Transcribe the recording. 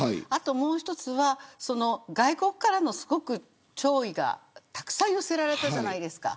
もう一つは、外国からの弔意がたくさん寄せられたじゃないですか。